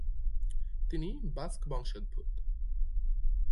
তিনি বাস্ক বংশোদ্ভূত।